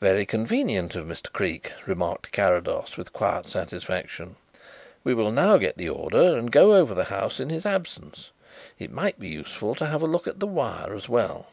"Very convenient of Mr. Creake," remarked Carrados, with quiet satisfaction. "We will now get the order and go over the house in his absence. It might be useful to have a look at the wire as well."